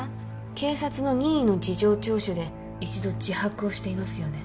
警察の任意の事情聴取で一度自白をしていますよね？